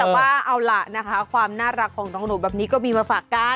แต่ว่าเอาล่ะนะคะความน่ารักของน้องหนูแบบนี้ก็มีมาฝากกัน